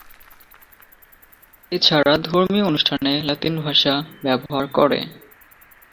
এছাড়া ধর্মীয় অনুষ্ঠানে লাতিন ভাষা ব্যবহার করে।